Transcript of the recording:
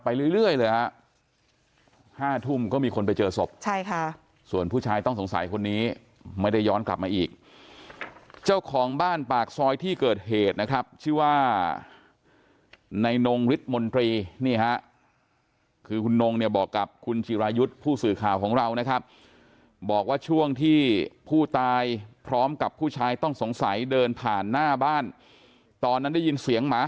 ห้าทุ่มก็มีคนไปเจอศพใช่ค่ะส่วนผู้ชายต้องสงสัยคนนี้ไม่ได้ย้อนกลับมาอีกเจ้าของบ้านปากซอยที่เกิดเหตุนะครับชื่อว่าในนงฤทธิมนตรีนี่ฮะคือคุณนงเนี่ยบอกกับคุณจิรายุทธ์ผู้สื่อข่าวของเรานะครับบอกว่าช่วงที่ผู้ตายพร้อมกับผู้ชายต้องสงสัยเดินผ่านหน้าบ้านตอนนั้นได้ยินเสียงหมา